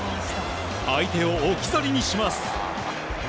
相手を置き去りにします。